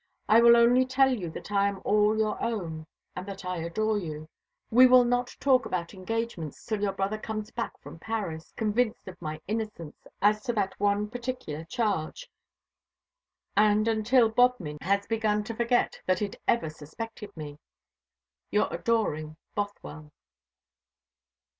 I will only tell you that I am all your own, and that I adore you. We will not talk about engagements till your brother comes back from Paris, convinced of my innocence as to that one particular charge, and until Bodmin has begun to forget that it ever suspected me. Your adoring BOTHWELL."